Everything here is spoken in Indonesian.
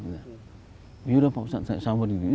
ya udah pak ustaz sabar